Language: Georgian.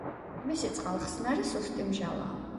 მისი წყალხსნარი სუსტი მჟავაა.